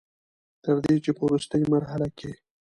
تر دې چې په ورورستۍ مرحله کښې